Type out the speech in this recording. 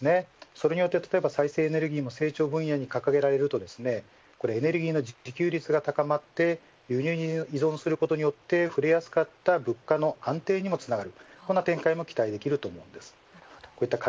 それによって、例えば再生エネルギーも成長分野に掲げられるとエネルギーの自給率が高まって輸入に依存することによってぶれやすかった物価の安定にもつながる。